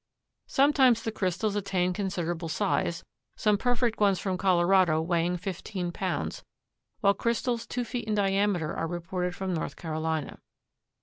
Sometimes the crystals attain considerable size, some perfect ones from Colorado weighing fifteen pounds, while crystals two feet in diameter are reported from North Carolina.